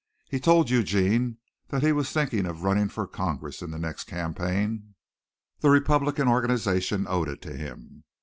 He told Eugene that he was thinking of running for Congress in the next campaign the Republican organization owed it to him.